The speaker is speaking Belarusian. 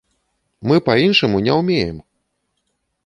Мы па-іншаму не ўмеем!